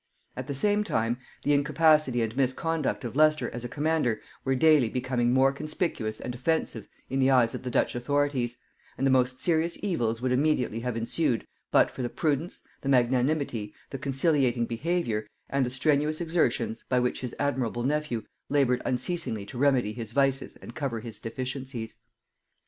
At the same time, the incapacity and misconduct of Leicester as a commander were daily becoming more conspicuous and offensive in the eyes of the Dutch authorities; and the most serious evils would immediately have ensued, but for the prudence, the magnanimity, the conciliating behaviour, and the strenuous exertions, by which his admirable nephew labored unceasingly to remedy his vices and cover his deficiencies.